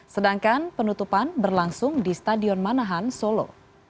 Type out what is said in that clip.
sedangkan penutupan berlangsung di stadion manahan solo